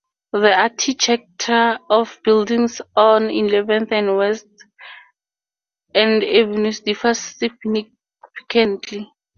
The architecture of buildings on Eleventh and West End Avenues differs significantly.